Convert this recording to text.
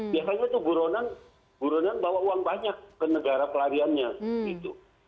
biasanya itu buronan bawa uang banyak ke negara pelariannya gitu